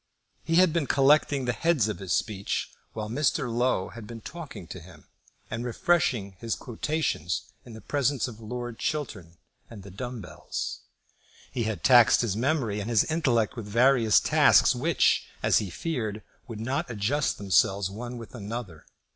He had been collecting the heads of his speech while Mr. Low had been talking to him, and refreshing his quotations in the presence of Lord Chiltern and the dumb bells. He had taxed his memory and his intellect with various tasks, which, as he feared, would not adjust themselves one with another.